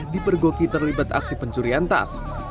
dipergoki terlibat aksi pencurian tas